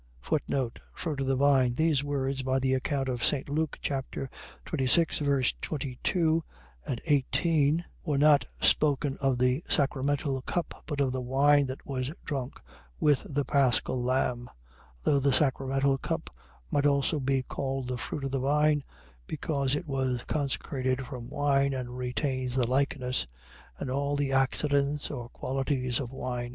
Fruit of the vine. . .These words, by the account of St. Luke 26:22. 18, were not spoken of the sacramental cup, but of the wine that was drunk with the paschal lamb. Though the sacramental cup might also be called the fruit of the vine, because it was consecrated from wine, and retains the likeness, and all the accidents or qualities of wine.